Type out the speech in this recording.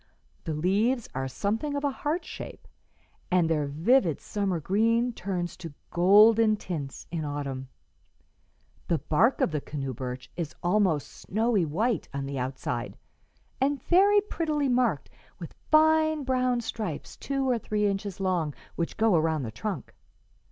The leaves are something of a heart shape, and their vivid summer green turns to golden tints in autumn. The bark of the canoe birch is almost snowy white on the outside, and very prettily marked with fine brown stripes two or three inches long, which go around the trunk.